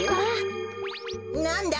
なんだ？